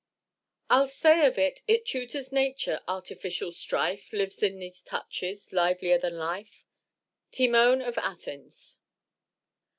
I'll say of it It tutors nature: artificial strife Lives in these touches, livelier than life. _Timon of Athens.